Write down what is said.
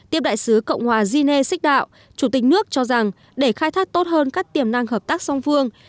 tiếp đại sứ cộng hòa gene sích đạo chủ tịch nước cho rằng để khai thác tốt hơn các tiềm năng hợp tác song phương